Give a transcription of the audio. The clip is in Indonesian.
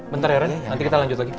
bentar ya rena nanti kita lanjut lagi